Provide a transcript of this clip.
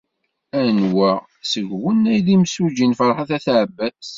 Anwa seg-wen ay d imsujji n Ferḥat n At Ɛebbas?